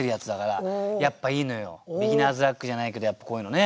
ビギナーズラックじゃないけどやっぱこういうのね。